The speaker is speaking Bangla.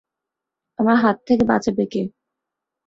আমার হাত থেকে বাঁচাবে কে?